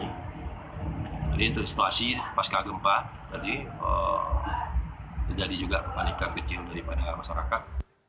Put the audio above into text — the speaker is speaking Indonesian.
jadi untuk situasi pasca gempa jadi terjadi juga kepanikan kecil daripada masyarakat